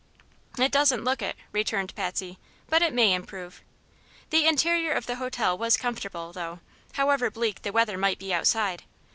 "It doesn't look it," returned Patsy; "but it may improve." The interior of the hotel was comfortable, though, however bleak the weather might be outside.